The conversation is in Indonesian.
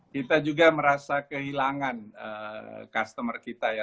kita juga merasa kehilangan customer kita ya